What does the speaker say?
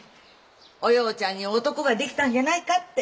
おようちゃんに男ができたんじゃないかって。